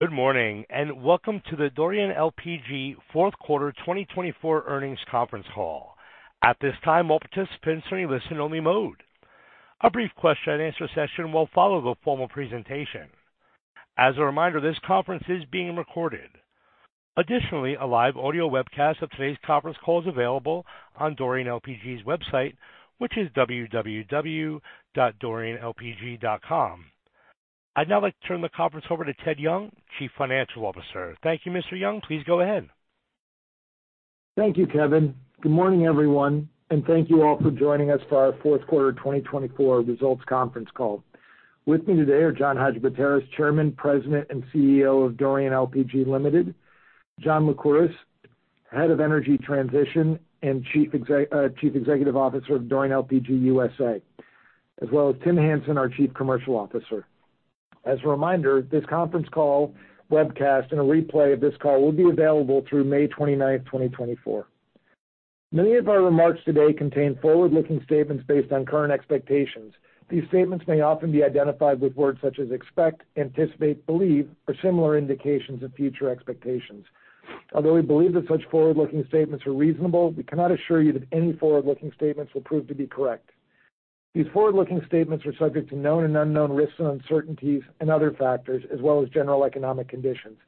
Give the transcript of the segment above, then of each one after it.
Good morning, and welcome to the Dorian LPG Fourth Quarter 2024 Earnings Conference Call. At this time, all participants are in listen-only mode. A brief question-and-answer session will follow the formal presentation. As a reminder, this conference is being recorded. Additionally, a live audio webcast of today's conference call is available on Dorian LPG's website, which is www.dorianlpg.com. I'd now like to turn the conference over to Ted Young, Chief Financial Officer. Thank you, Mr. Young. Please go ahead. Thank you, Kevin. Good morning, everyone, and thank you all for joining us for our fourth quarter 2024 results conference call. With me today are John Hadjipateras, Chairman, President, and CEO of Dorian LPG Limited; John Lycouris, Head of Energy Transition and Chief Executive Officer of Dorian LPG USA, as well as Tim Hansen, our Chief Commercial Officer. As a reminder, this conference call webcast and a replay of this call will be available through May 29, 2024. Many of our remarks today contain forward-looking statements based on current expectations. These statements may often be identified with words such as expect, anticipate, believe, or similar indications of future expectations. Although we believe that such forward-looking statements are reasonable, we cannot assure you that any forward-looking statements will prove to be correct. These forward-looking statements are subject to known and unknown risks and uncertainties and other factors, as well as general economic conditions.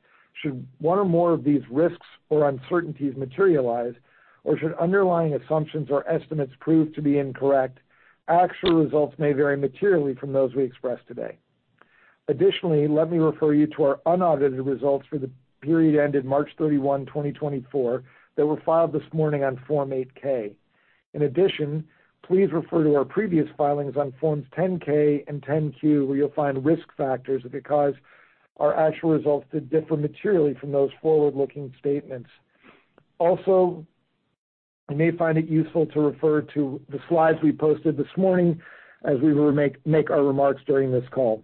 Should one or more of these risks or uncertainties materialize, or should underlying assumptions or estimates prove to be incorrect, actual results may vary materially from those we express today. Additionally, let me refer you to our unaudited results for the period ended March 31, 2024, that were filed this morning on Form 8-K. In addition, please refer to our previous filings on Forms 10-K and 10-Q, where you'll find risk factors that could cause our actual results to differ materially from those forward-looking statements. Also, you may find it useful to refer to the slides we posted this morning as we will make our remarks during this call.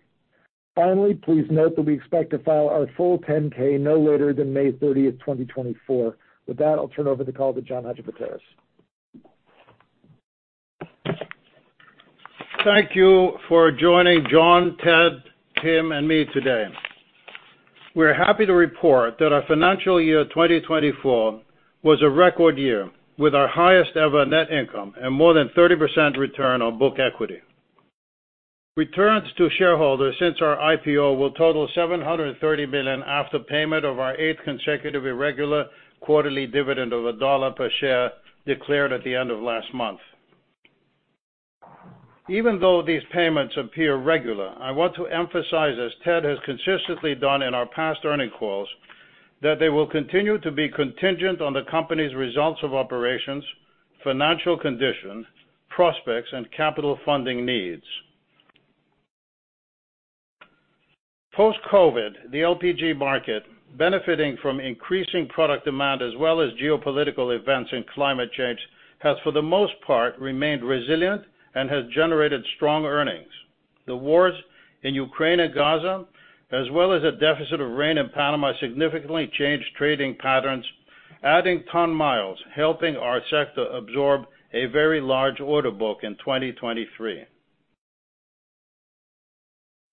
Finally, please note that we expect to file our full 10-K no later than May 30, 2024. With that, I'll turn over the call to John Hadjipateras. Thank you for joining John, Ted, Tim, and me today. We're happy to report that our financial year 2024 was a record year, with our highest-ever net income and more than 30% return on book equity. Returns to shareholders since our IPO will total $730 million after payment of our eighth consecutive irregular quarterly dividend of $1 per share, declared at the end of last month. Even though these payments appear regular, I want to emphasize, as Ted has consistently done in our past earnings calls, that they will continue to be contingent on the company's results of operations, financial condition, prospects, and capital funding needs. Post-COVID, the LPG market, benefiting from increasing product demand as well as geopolitical events and climate change, has, for the most part, remained resilient and has generated strong earnings. The wars in Ukraine and Gaza, as well as a deficit of rain in Panama, significantly changed trading patterns, adding ton miles, helping our sector absorb a very large order book in 2023.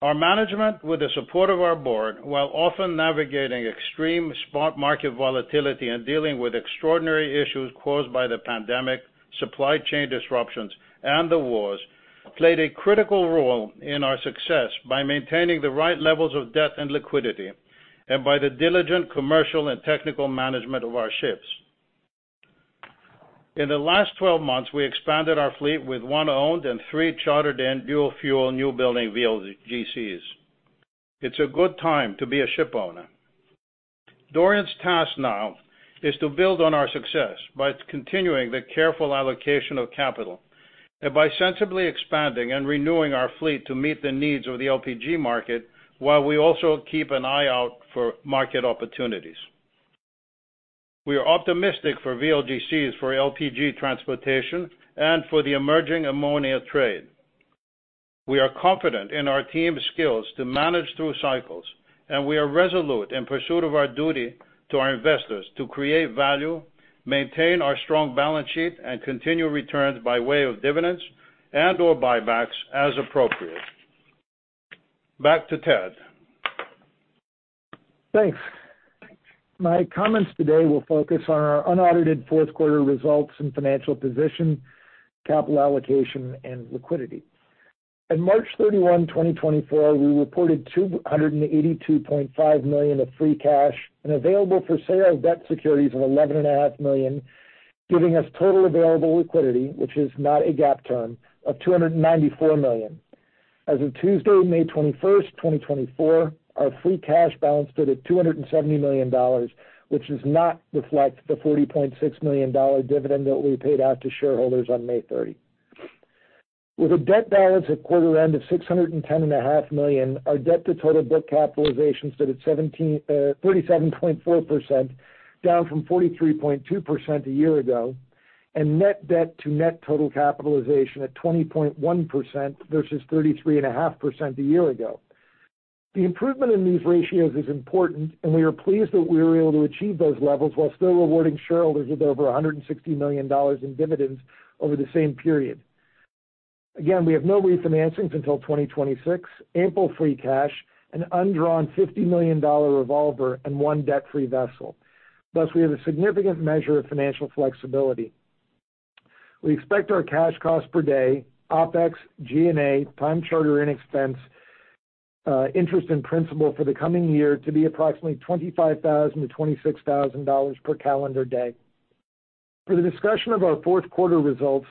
Our management, with the support of our board, while often navigating extreme spot market volatility and dealing with extraordinary issues caused by the pandemic, supply chain disruptions, and the wars, played a critical role in our success by maintaining the right levels of debt and liquidity and by the diligent commercial and technical management of our ships. In the last 12 months, we expanded our fleet with one owned and three chartered and dual-fuel newbuilding VLGCs. It's a good time to be a ship owner. Dorian's task now is to build on our success by continuing the careful allocation of capital and by sensibly expanding and renewing our fleet to meet the needs of the LPG market, while we also keep an eye out for market opportunities. We are optimistic for VLGCs, for LPG transportation, and for the emerging ammonia trade. We are confident in our team's skills to manage through cycles, and we are resolute in pursuit of our duty to our investors to create value, maintain our strong balance sheet, and continue returns by way of dividends and/or buybacks as appropriate. Back to Ted. Thanks. My comments today will focus on our unaudited fourth quarter results and financial position, capital allocation, and liquidity. On March 31, 2024, we reported $282.5 million of free cash and available-for-sale debt securities of $11.5 million, giving us total available liquidity, which is not a GAAP term, of $294 million. As of Tuesday, May 21, 2024, our free cash balance stood at $270 million, which does not reflect the $40.6 million dividend that we paid out to shareholders on May 30. With a debt balance at quarter end of $610.5 million, our debt to total book capitalization stood at seventeen- thirty-seven point four percent, down from forty-three point two percent a year ago, and net debt to net total capitalization at twenty point one percent versus thirty-three point five percent a year ago. The improvement in these ratios is important, and we are pleased that we were able to achieve those levels while still rewarding shareholders with over $160 million in dividends over the same period.... Again, we have no lease financings until 2026, ample free cash, an undrawn $50 million revolver, and one debt-free vessel. Thus, we have a significant measure of financial flexibility. We expect our cash costs per day, OpEx, G&A, time charter in expense, interest and principal for the coming year to be approximately $25,000-$26,000 per calendar day. For the discussion of our fourth quarter results,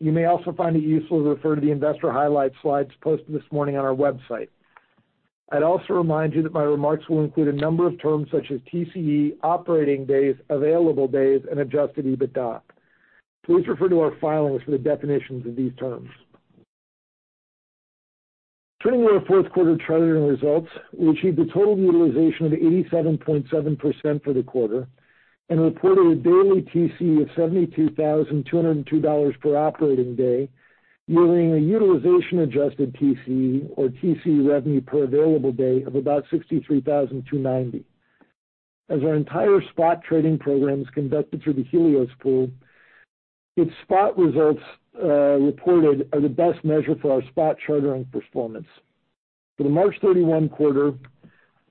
you may also find it useful to refer to the investor highlights slides posted this morning on our website. I'd also remind you that my remarks will include a number of terms, such as TCE, operating days, available days, and Adjusted EBITDA. Please refer to our filings for the definitions of these terms. Turning to our fourth quarter chartering results, we achieved a total utilization of 87.7% for the quarter and reported a daily TCE of $72,202 per operating day, yielding a utilization-adjusted TCE or TCE revenue per available day of about $63,290. As our entire spot trading program is conducted through the Helios Pool, its spot results reported are the best measure for our spot chartering performance. For the March 31 quarter,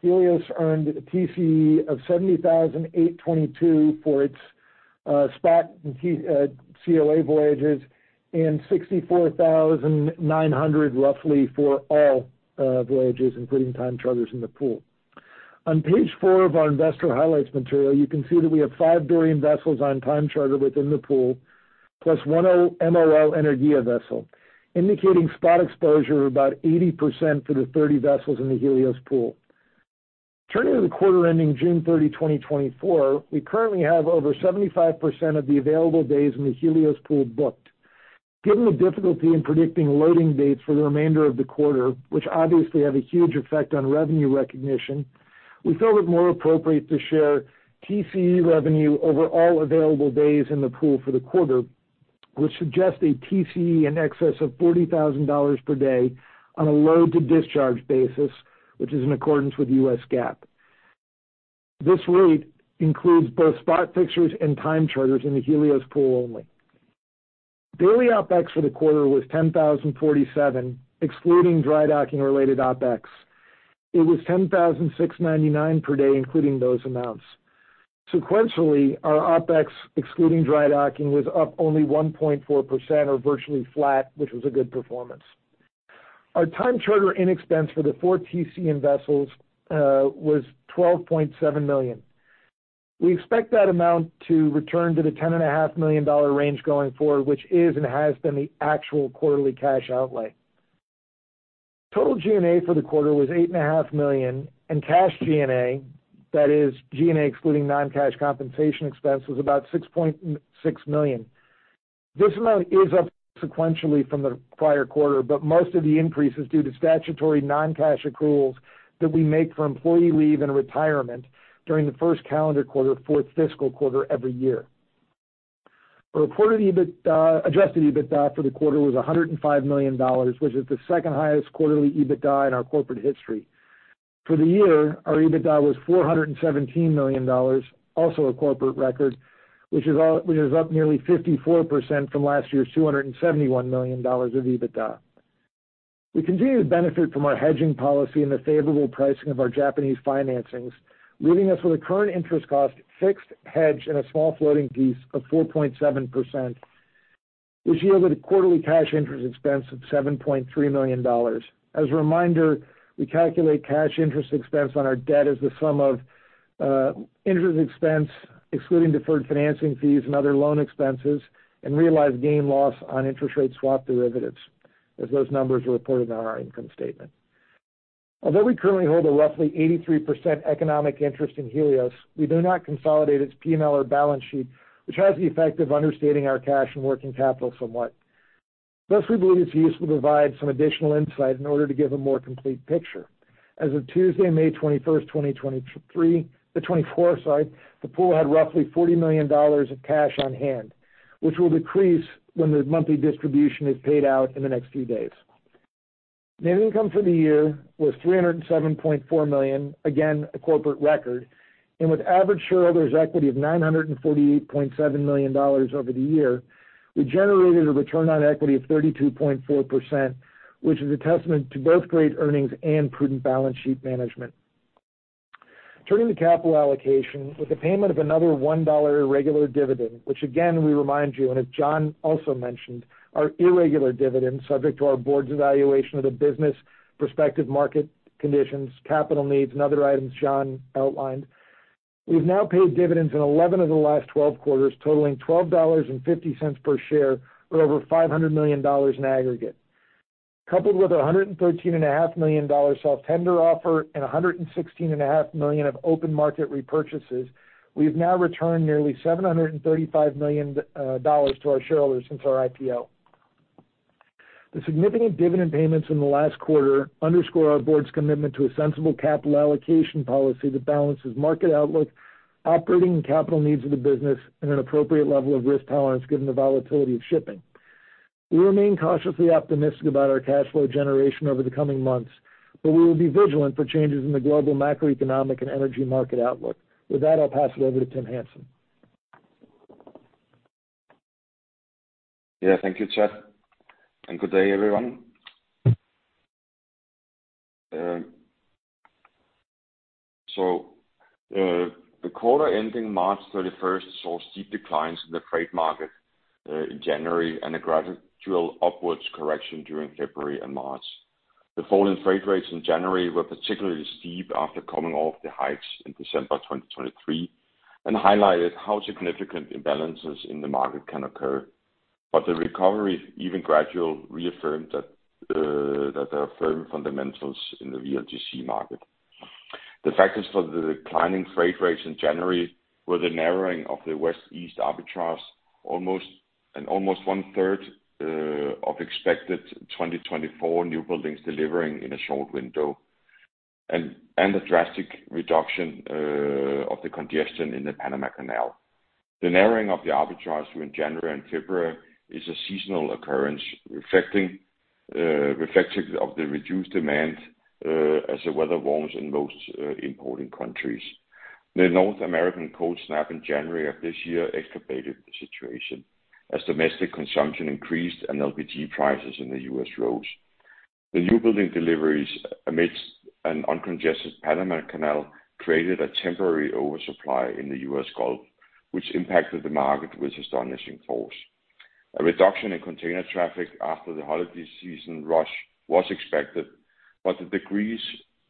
Helios earned a TCE of $70,822 for its spot and COA voyages, and $64,900, roughly, for all voyages, including time charters in the pool. On page 4 of our investor highlights material, you can see that we have five VLGC vessels on time charter within the pool, plus one MOL Energia vessel, indicating spot exposure of about 80% for the 30 vessels in the Helios Pool. Turning to the quarter ending June 30, 2024, we currently have over 75% of the available days in the Helios Pool booked. Given the difficulty in predicting loading dates for the remainder of the quarter, which obviously have a huge effect on revenue recognition, we felt it more appropriate to share TCE revenue over all available days in the pool for the quarter, which suggests a TCE in excess of $40,000 per day on a load-to-discharge basis, which is in accordance with U.S. GAAP. This rate includes both spot fixtures and time charters in the Helios Pool only. Daily OpEx for the quarter was 10,047, excluding dry docking-related OpEx. It was 10,699 per day, including those amounts. Sequentially, our OpEx, excluding dry docking, was up only 1.4% or virtually flat, which was a good performance. Our time charter in expense for the four TC-in vessels was $12.7 million. We expect that amount to return to the $10.5 million range going forward, which is and has been the actual quarterly cash outlay. Total G&A for the quarter was $8.5 million, and cash G&A, that is G&A excluding non-cash compensation expense, was about $6.6 million. This amount is up sequentially from the prior quarter, but most of the increase is due to statutory non-cash accruals that we make for employee leave and retirement during the first calendar quarter, fourth fiscal quarter every year. Our reported adjusted EBITDA for the quarter was $105 million, which is the second highest quarterly EBITDA in our corporate history. For the year, our EBITDA was $417 million, also a corporate record, which is up nearly 54% from last year's $271 million of EBITDA. We continue to benefit from our hedging policy and the favorable pricing of our Japanese financings, leaving us with a current interest cost, fixed hedge and a small floating piece of 4.7%, which yielded a quarterly cash interest expense of $7.3 million. As a reminder, we calculate cash interest expense on our debt as the sum of interest expense, excluding deferred financing fees and other loan expenses, and realized gain loss on interest rate swap derivatives, as those numbers are reported on our income statement. Although we currently hold a roughly 83% economic interest in Helios, we do not consolidate its P&L or balance sheet, which has the effect of understating our cash and working capital somewhat. Thus, we believe it's useful to provide some additional insight in order to give a more complete picture. As of Tuesday, May 21, 2024, the pool had roughly $40 million of cash on hand, which will decrease when the monthly distribution is paid out in the next few days. Net income for the year was $307.4 million, again, a corporate record, and with average shareholders' equity of $948.7 million over the year, we generated a return on equity of 32.4%, which is a testament to both great earnings and prudent balance sheet management. Turning to capital allocation, with the payment of another $1 regular dividend, which again, we remind you, and as John also mentioned, our irregular dividends, subject to our board's evaluation of the business, prospective market conditions, capital needs, and other items John outlined, we've now paid dividends in 11 of the last 12 quarters, totaling $12.50 per share, or over $500 million in aggregate. Coupled with a $113.5 million self-tender offer and a $116.5 million of open market repurchases, we've now returned nearly $735 million dollars to our shareholders since our IPO. The significant dividend payments in the last quarter underscore our board's commitment to a sensible capital allocation policy that balances market outlook, operating and capital needs of the business, and an appropriate level of risk tolerance, given the volatility of shipping. We remain cautiously optimistic about our cash flow generation over the coming months, but we will be vigilant for changes in the global macroeconomic and energy market outlook. With that, I'll pass it over to Tim Hansen.... Yeah, thank you, Ted, and good day, everyone. So, the quarter ending March 31 saw steep declines in the freight market in January and a gradual upwards correction during February and March. The fall in freight rates in January were particularly steep after coming off the heights in December 2023, and highlighted how significant imbalances in the market can occur. But the recovery, even gradual, reaffirmed that there are firm fundamentals in the VLGC market. The factors for the declining freight rates in January were the narrowing of the West-East arbitrage, almost 1/3 of expected 2024 newbuildings delivering in a short window, and a drastic reduction of the congestion in the Panama Canal. The narrowing of the arbitrage in January and February is a seasonal occurrence, reflecting the reduced demand as the weather warms in most importing countries. The North American cold snap in January of this year exacerbated the situation as domestic consumption increased and LPG prices in the US rose. The newbuilding deliveries amidst an uncongested Panama Canal created a temporary oversupply in the US Gulf, which impacted the market with astonishing force. A reduction in container traffic after the holiday season rush was expected, but the degree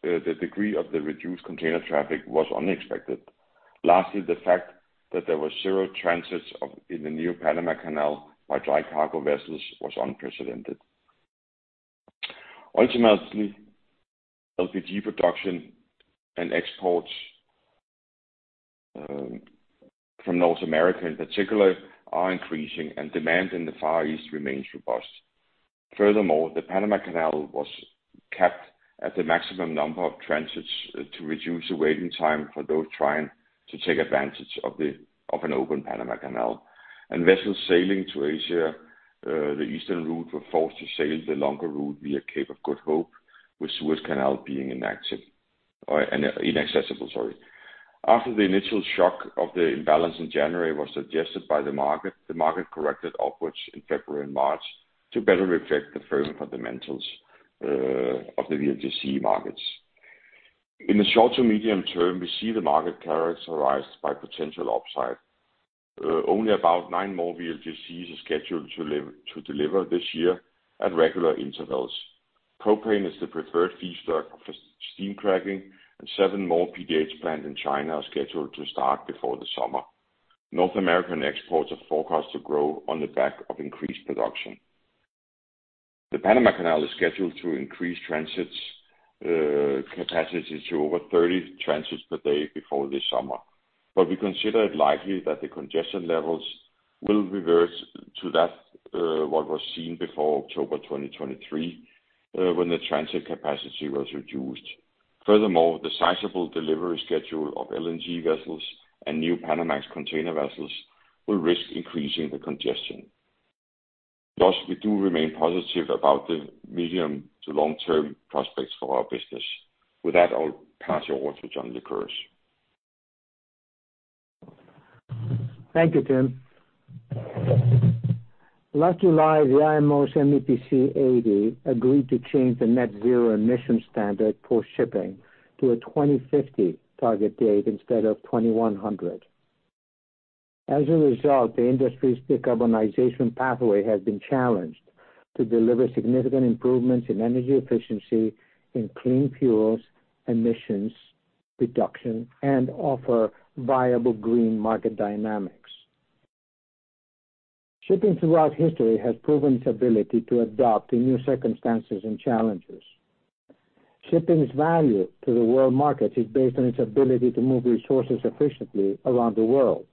of the reduced container traffic was unexpected. Lastly, the fact that there were zero transits in the new Panama Canal by dry cargo vessels was unprecedented. Ultimately, LPG production and exports from North America in particular are increasing and demand in the Far East remains robust. Furthermore, the Panama Canal was capped at the maximum number of transits to reduce the waiting time for those trying to take advantage of an open Panama Canal. Vessels sailing to Asia, the eastern route, were forced to sail the longer route via Cape of Good Hope, with Suez Canal being inactive or inaccessible. After the initial shock of the imbalance in January was suggested by the market, the market corrected upwards in February and March to better reflect the firm fundamentals of the VLGC markets. In the short to medium term, we see the market characterized by potential upside. Only about nine more VLGCs are scheduled to deliver this year at regular intervals. Propane is the preferred feedstock for steam cracking, and seven more PDH plants in China are scheduled to start before the summer. North American exports are forecast to grow on the back of increased production. The Panama Canal is scheduled to increase transits capacity to over 30 transits per day before this summer. But we consider it likely that the congestion levels will reverse to that, what was seen before October 2023, when the transit capacity was reduced. Furthermore, the sizable delivery schedule of LNG vessels and New Panamax container vessels will risk increasing the congestion. Thus, we do remain positive about the medium to long-term prospects for our business. With that, I'll pass you over to John Lycouris. Thank you, Tim. Last July, BIMCO's MEPC 80 agreed to change the net zero emission standard for shipping to a 2050 target date instead of 2100. As a result, the industry's decarbonization pathway has been challenged to deliver significant improvements in energy efficiency, in clean fuels, emissions reduction, and offer viable green market dynamics. Shipping throughout history has proven its ability to adapt to new circumstances and challenges. Shipping's value to the world market is based on its ability to move resources efficiently around the world.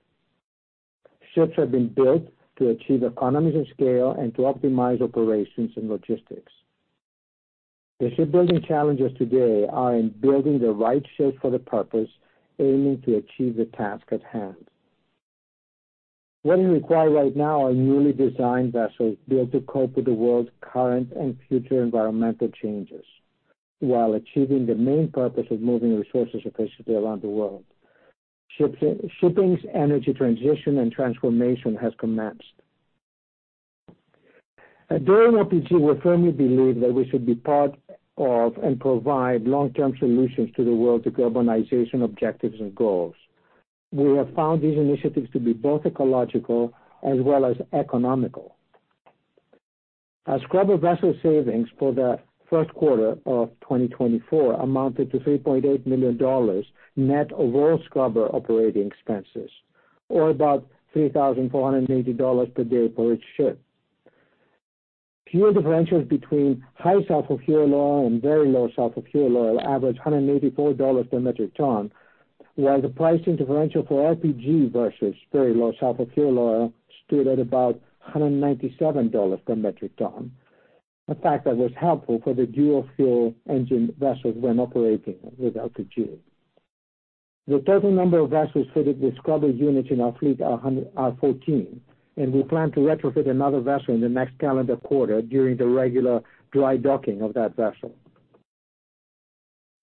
Ships have been built to achieve economies of scale and to optimize operations and logistics. The shipbuilding challenges today are in building the right ships for the purpose, aiming to achieve the task at hand. What is required right now are newly designed vessels built to cope with the world's current and future environmental changes, while achieving the main purpose of moving resources efficiently around the world. Ships, shipping's energy transition and transformation has commenced. At LPG, we firmly believe that we should be part of and provide long-term solutions to the world's decarbonization objectives and goals. We have found these initiatives to be both ecological as well as economical. Our scrubber vessel savings for the first quarter of 2024 amounted to $3.8 million net overall scrubber operating expenses, or about $3,480 per day per each ship. Fuel differentials between high sulfur fuel oil and very low sulfur fuel oil averaged $184 per metric ton, while the pricing differential for LPG versus very low sulfur fuel oil stood at about $197 per metric ton. A fact that was helpful for the dual fuel engine vessels when operating without the fuel. The total number of vessels fitted with scrubber units in our fleet are 14, and we plan to retrofit another vessel in the next calendar quarter during the regular dry docking of that vessel.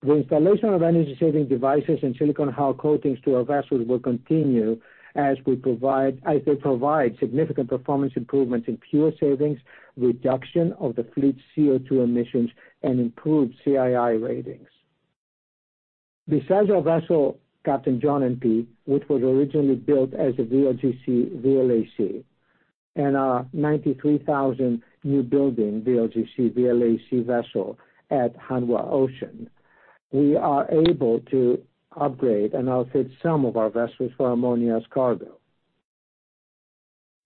The installation of energy-saving devices and silicone hull coatings to our vessels will continue as they provide significant performance improvements in fuel savings, reduction of the fleet's CO2 emissions, and improved CII ratings. Besides our vessel, Captain John NP, which was originally built as a VLGC, VLAC, and our 93,000 newbuilding VLGC, VLAC vessel at Hanwha Ocean, we are able to upgrade and outfit some of our vessels for ammonia as cargo.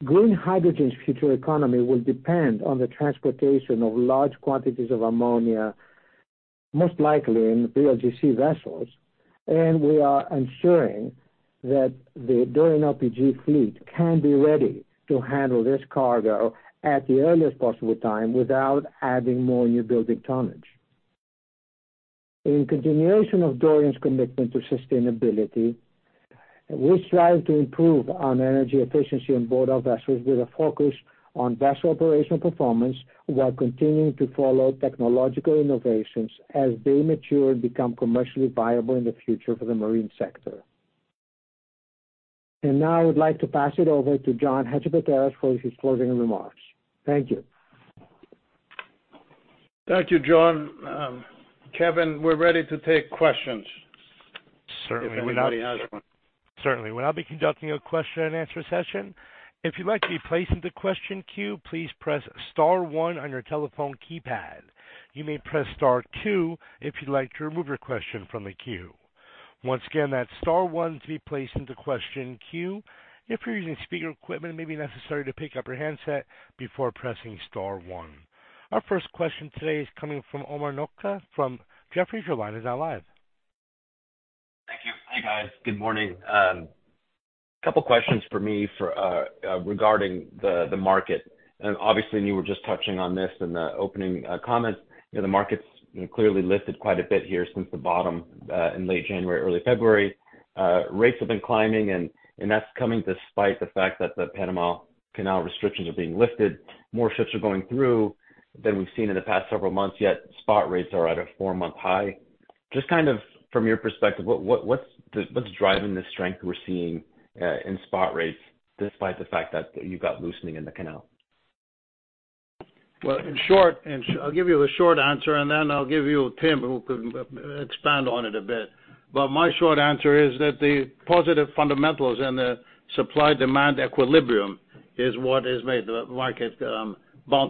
Green hydrogen's future economy will depend on the transportation of large quantities of ammonia, most likely in VLGC vessels, and we are ensuring that the Dorian LPG fleet can be ready to handle this cargo at the earliest possible time without adding more newbuilding tonnage. In continuation of Dorian's commitment to sustainability, we strive to improve on energy efficiency on board our vessels with a focus on vessel operational performance, while continuing to follow technological innovations as they mature and become commercially viable in the future for the marine sector. And now I would like to pass it over to John Hadjipateras for his closing remarks. Thank you. Thank you, John. Kevin, we're ready to take questions. Certainly. If anybody has one. Certainly. We are now conducting a question-and-answer session. If you'd like to be placed in the question queue, please press star one on your telephone keypad. You may press star two if you'd like to remove your question from the queue. Once again, that's star one to be placed into question queue. If you're using speaker equipment, it may be necessary to pick up your handset before pressing star one. Our first question today is coming from Omar Nokta from Jefferies. Your line is now live. Thank you. Hi, guys. Good morning. A couple questions for me regarding the market. And obviously, you were just touching on this in the opening comments. You know, the market's clearly lifted quite a bit here since the bottom in late January, early February. Rates have been climbing, and that's coming despite the fact that the Panama Canal restrictions are being lifted. More ships are going through than we've seen in the past several months, yet spot rates are at a four-month high. Just kind of from your perspective, what's driving the strength we're seeing in spot rates despite the fact that you've got loosening in the canal? Well, in short, and I'll give you a short answer, and then I'll give you Tim, who can, expand on it a bit. But,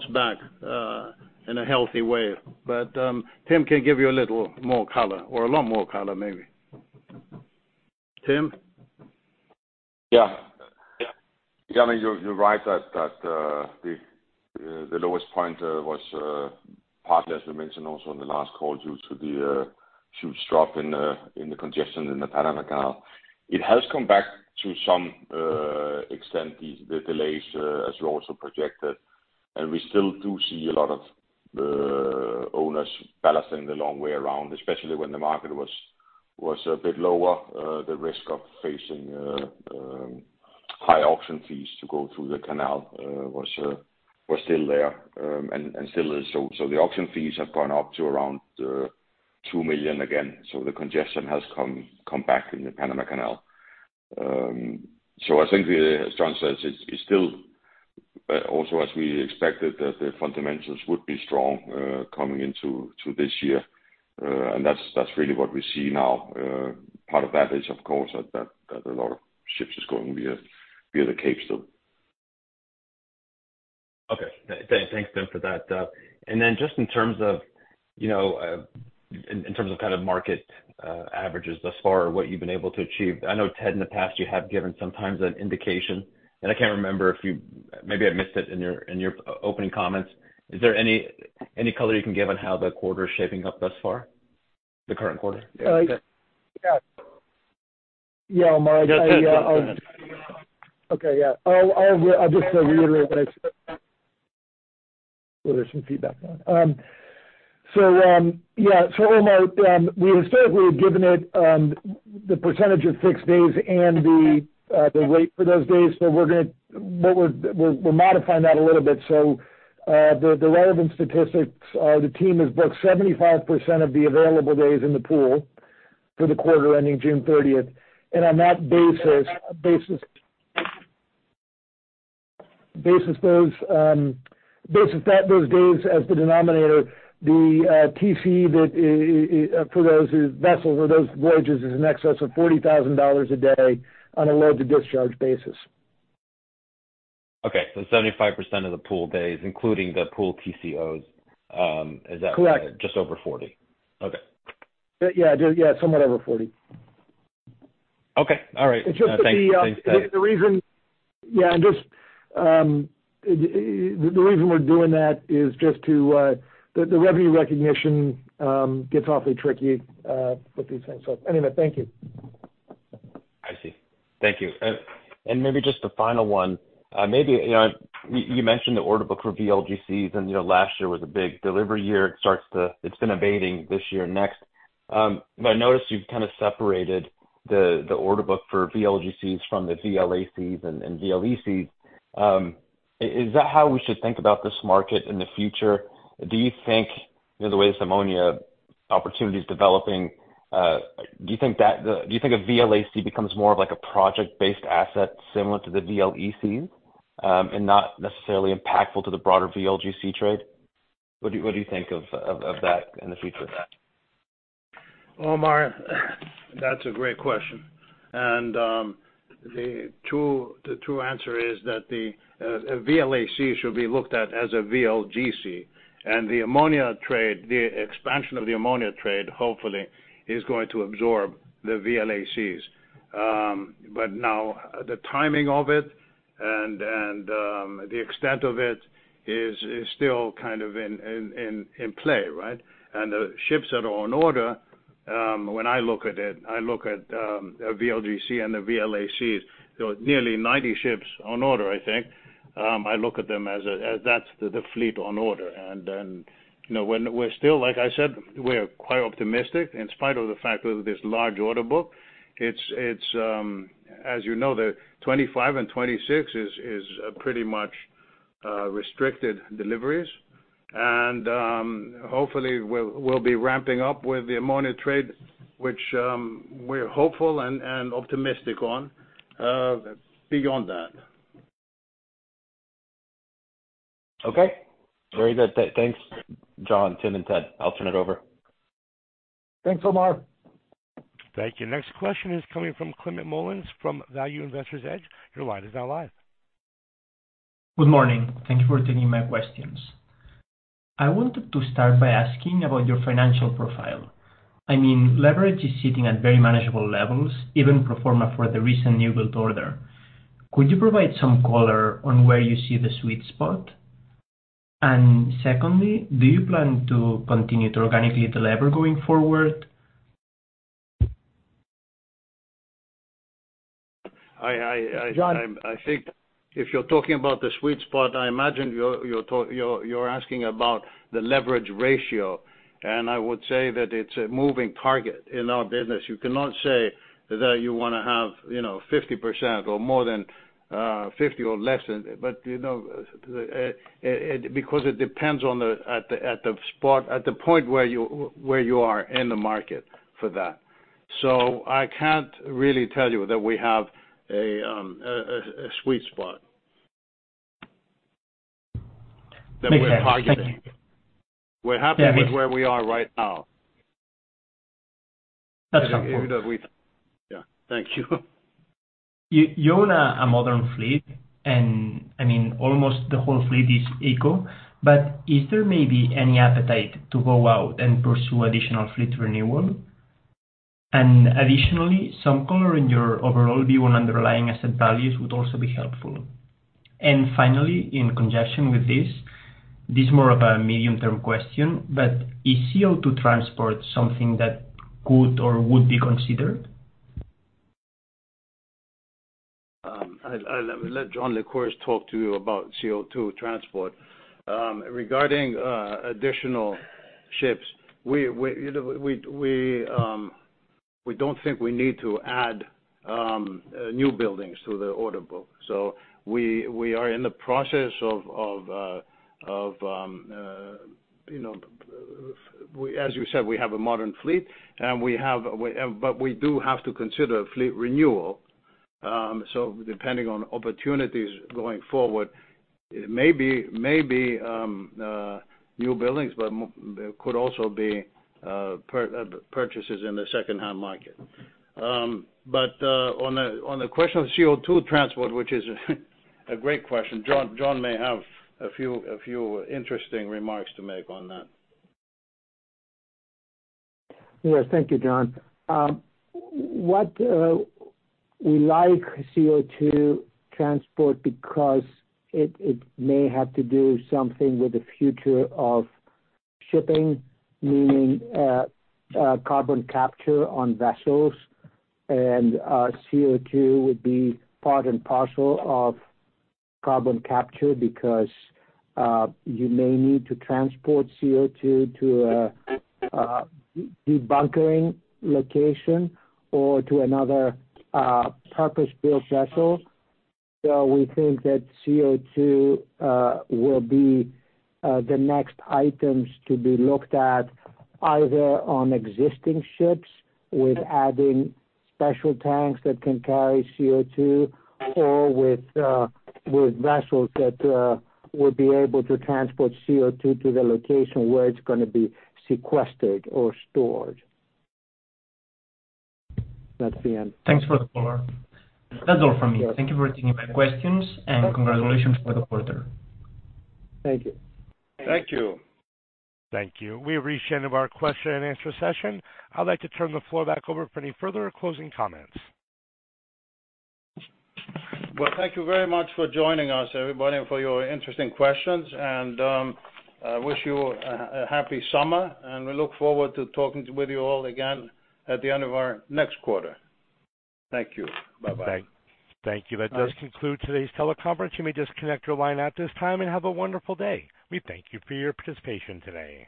Tim can give you a little more color, or a lot more color maybe. Tim? Yeah. Yeah, I mean, you're right that the lowest point was partly, as we mentioned also in the last call, due to the huge drop in the congestion in the Panama Canal. It has come back to some extent, the delays, as you also projected, and we still do see a lot of owners balancing the long way around, especially when the market was a bit lower. The risk of facing high auction fees to go through the canal was still there, and still is. So the auction fees have gone up to around $2 million again, so the congestion has come back in the Panama Canal. So I think, as John says, it's still also as we expected, that the fundamentals would be strong coming into this year. And that's really what we see now. Part of that is, of course, that a lot of ships is going via the Cape still. Okay. Thanks, Tim, for that. And then just in terms of, you know, in terms of kind of market averages thus far, what you've been able to achieve, I know, Ted, in the past, you have given sometimes an indication, and I can't remember if you... Maybe I missed it in your opening comments. Is there any color you can give on how the quarter is shaping up thus far? The current quarter? Yeah. Yeah, Omar, I. Okay. Okay, yeah. I'll, I'll just reiterate what I said. Well, there's some feedback. So, yeah, so Omar, we historically have given it the percentage of fixed days and the rate for those days, but we're modifying that a little bit. So, the relevant statistics are, the team has booked 75% of the available days in the pool for the quarter ending June thirtieth. And on that basis, those days as the denominator, the TCE for those vessels or those voyages is in excess of $40,000 a day on a load to discharge basis. Okay, so 75% of the pool days, including the pool TCOs, is that- Correct. Just over 40. Okay. Yeah, just, yeah, somewhat over 40. Okay. All right. And just to be, Thanks, Ted. The reason we're doing that is just to the revenue recognition gets awfully tricky with these things. So anyway, thank you. I see. Thank you. And maybe just a final one. Maybe, you know, you mentioned the order book for VLGCs, and, you know, last year was a big delivery year. It's been abating this year and next. But I noticed you've kind of separated the order book for VLGCs from the VLACs and VLEC. Is that how we should think about this market in the future? Do you think, you know, the way this ammonia opportunity is developing, do you think that a VLAC becomes more of like a project-based asset similar to the VLEC, and not necessarily impactful to the broader VLGC trade? What do you think of that in the future? Well, Mark, that's a great question. The true answer is that the VLAC should be looked at as a VLGC, and the ammonia trade, the expansion of the ammonia trade, hopefully is going to absorb the VLACs. But now the timing of it and the extent of it is still kind of in play, right? And the ships that are on order, when I look at it, I look at a VLGC and the VLACs. So nearly 90 ships on order I think. I look at them as that's the fleet on order. And then, you know, when we're still like I said, we're quite optimistic in spite of the fact that this large order book, it's as you know, the 25 and 26 is pretty much restricted deliveries. Hopefully, we'll be ramping up with the ammonia trade, which we're hopeful and optimistic on, beyond that. Okay. Very good. Thanks, John, Tim, and Ted. I'll turn it over. Thanks, Omar. Thank you. Next question is coming from Climent Molins from Value Investor's Edge. Your line is now live. Good morning. Thank you for taking my questions. I wanted to start by asking about your financial profile. I mean, leverage is sitting at very manageable levels, even pro forma for the recent newbuild order. Could you provide some color on where you see the sweet spot? And secondly, do you plan to continue to organically deliver going forward? I, I, I- John? I think if you're talking about the sweet spot, I imagine you're asking about the leverage ratio, and I would say that it's a moving target in our business. You cannot say that you wanna have, you know, 50% or more than 50 or less than, but, you know, it. Because it depends on the spot, at the point where you are in the market for that. So I can't really tell you that we have a sweet spot. Makes sense. Thank you. That we're targeting. Yeah, make- We're happy with where we are right now. That's helpful. Yeah. Thank you. You own a modern fleet, and I mean, almost the whole fleet is eco. But is there maybe any appetite to go out and pursue additional fleet renewal? And additionally, some color on your overall view on underlying asset values would also be helpful. And finally, in conjunction with this, this is more of a medium-term question, but is CO2 transport something that could or would be considered? I let John Lycouris talk to you about CO2 transport. Regarding additional ships, you know, we don't think we need to add newbuildings to the order book, so we are in the process of you know we -- as you said, we have a modern fleet, and we have but we do have to consider a fleet renewal. So depending on opportunities going forward, it may be newbuildings, but could also be purchases in the secondhand market. But on the question of CO2 transport, which is a great question, John, John may have a few interesting remarks to make on that. Yes. Thank you, John. What we like CO2 transport because it may have to do something with the future of shipping, meaning carbon capture on vessels. CO2 would be part and parcel of carbon capture because you may need to transport CO2 to a debunkering location or to another purpose-built vessel. So we think that CO2 will be the next items to be looked at, either on existing ships with adding special tanks that can carry CO2 or with vessels that would be able to transport CO2 to the location where it's gonna be sequestered or stored. That's the end. Thanks for the call. That's all from me. Thank you for taking my questions, and congratulations for the quarter. Thank you. Thank you. Thank you. We've reached the end of our question and answer session. I'd like to turn the floor back over for any further closing comments. Well, thank you very much for joining us, everybody, and for your interesting questions. I wish you a happy summer, and we look forward to talking with you all again at the end of our next quarter. Thank you. Bye-bye. Thank you. That does conclude today's teleconference. You may disconnect your line at this time and have a wonderful day. We thank you for your participation today.